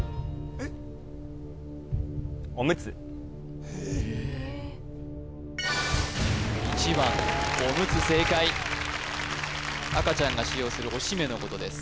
えっ１番おむつ正解赤ちゃんが使用するおしめのことです